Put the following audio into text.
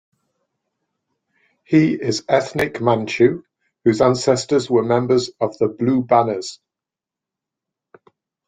He is an ethnic Manchu whose ancestors were members of the Blue Banners.